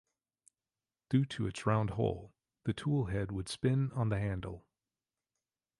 Due to its round hole, the tool head would spin on the handle.